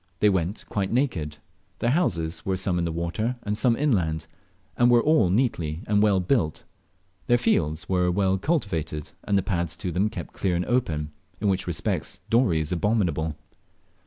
They went quite naked. Their houses were some in the water and some inland, and were all neatly and well built; their fields were well cultivated, and the paths to them kept clear and open, in which respects Dorey is abominable.